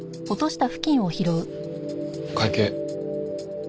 会計。